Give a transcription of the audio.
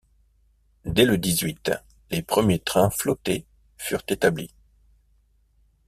Dès le dix-huit, les premiers trains flottés furent établis.